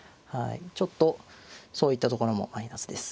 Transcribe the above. ちょっとそういったところもマイナスです。